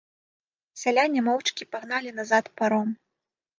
Сяляне моўчкі пагналі назад паром.